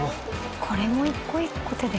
これも一個一個手で。